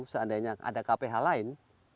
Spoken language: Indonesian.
seandainya ada kph lain